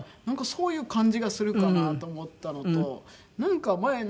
なんかそういう感じがするかなと思ったのと前